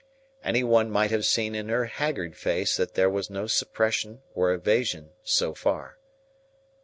Any one might have seen in her haggard face that there was no suppression or evasion so far.